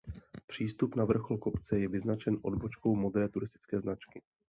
Přístup na vrchol kopce je vyznačen odbočkou modré turistické značky.